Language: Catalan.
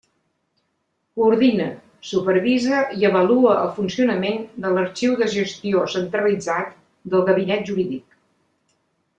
Coordina, supervisa i avalua el funcionament de l'arxiu de gestió centralitzat del Gabinet Jurídic.